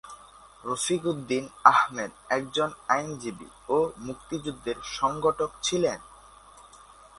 রফিক উদ্দিন আহমেদ একজন আইনজীবী ও মুক্তিযুদ্ধের সংগঠক ছিলেন।